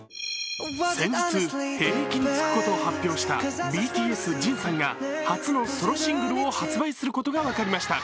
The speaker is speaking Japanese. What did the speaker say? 先日、兵役につくことを発表したＢＴＳ・ＪＩＮさんが初のソロシングルを発売することが分かりました。